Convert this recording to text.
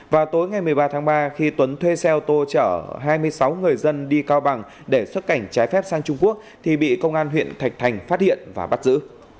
vào tối ngày một mươi ba tháng ba khi tuấn thuê xe ô tô chở hai mươi sáu người dân đi cao bằng để xuất cảnh trái phép sang trung quốc thì bị công an huyện thạch thành phát hiện và bắt giữ